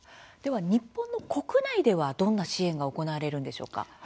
では、日本の国内ではどんな支援が行われるのでしょうか。